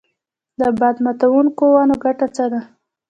د باد ماتوونکو ونو ګټه څه ده؟